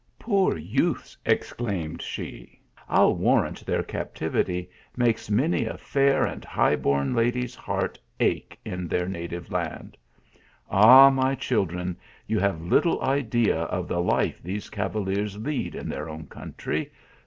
" Poor youths!" exclaimed she, "I ll warrant their cap tivity makes many a fair and high born lady s heart ache in their native land ! Ah, my children, you have little idea of the life these cavaliers lead in their own country.